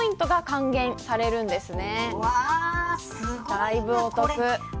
だいぶお得。